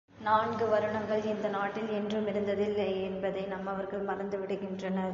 நான்கு வருணங்கள் இந்த நாட்டில் என்றுமிருந்ததில்லையென்பதை நம்மவர்கள் மறந்து விடுகின்றனர்.